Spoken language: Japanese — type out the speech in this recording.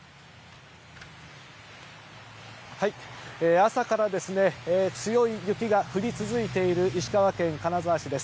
朝から強い雪が降り続いている石川県金沢市です。